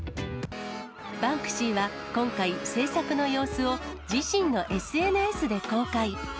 バンクシーは今回、制作の様子を自身のＳＮＳで公開。